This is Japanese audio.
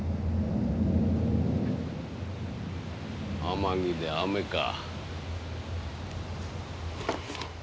天城で雨か。